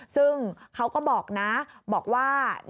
ซึ่งเขาก็บอกนะบอกว่า